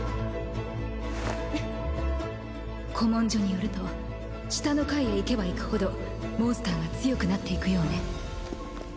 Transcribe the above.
古文書によると下の階へ行けば行くほどモンスターが強くなっていくようね。